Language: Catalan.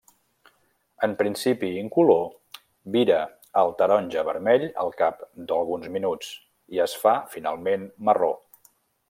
En principi incolor, vira al taronja-vermell al cap d'alguns minuts i es fa finalment marró.